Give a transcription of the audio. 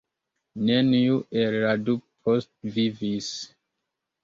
Neniu el la du postvivis.